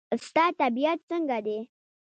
ستا طبیعت څنګه دی؟